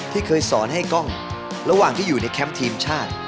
ที่เคยสอนให้กล้องระหว่างที่อยู่ในแคมป์ทีมชาติ